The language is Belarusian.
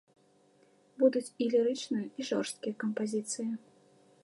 Будуць і лірычныя, і жорсткія кампазіцыі.